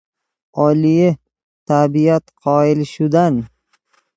علیه... تبعیت قائل شدن